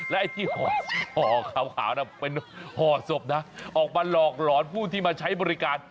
และไอ้ที่ห่อขาวน่ะเป็นห่อศพนะออกมาหลอกหลอนผู้ที่มาใช้บริการ